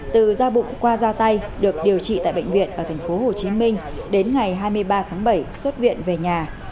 từ da bụng qua ra tay được điều trị tại bệnh viện ở tp hcm đến ngày hai mươi ba tháng bảy xuất viện về nhà